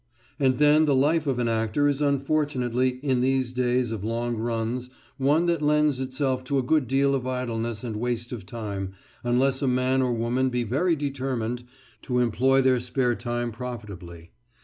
And then the life of an actor is unfortunately, in these days of long runs, one that lends itself to a good deal of idleness and waste of time, unless a man or woman be very determined to employ their spare time profitably.